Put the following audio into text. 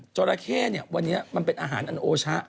จราเข้เนี่ยวันนี้มันเป็นอาหารอันโอชะ